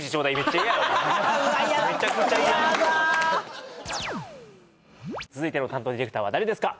めちゃくちゃ嫌続いての担当ディレクターは誰ですか？